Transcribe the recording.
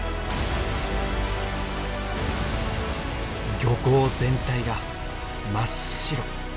漁港全体が真っ白。